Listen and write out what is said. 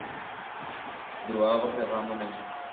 د درواغو پیغامونه مې